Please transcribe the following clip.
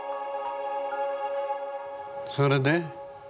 それで？